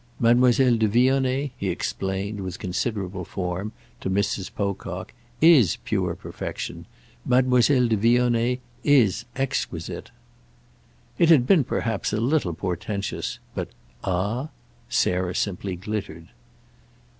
Mademoiselle de Vionnet," he explained, in considerable form, to Mrs. Pocock, "is pure perfection. Mademoiselle de Vionnet is exquisite." It had been perhaps a little portentous, but "Ah?" Sarah simply glittered.